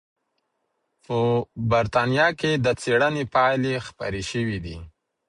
په بریتانیا کې د څېړنې پایلې خپرې شوې دي.